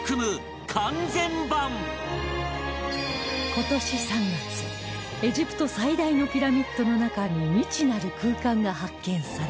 今年３月エジプト最大のピラミッドの中に未知なる空間が発見され